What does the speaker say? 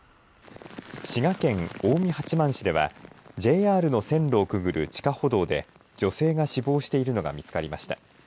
滋賀県近江八幡市ではＪＲの線路をくぐる地下歩道で女性が死亡しているのが見つかりました。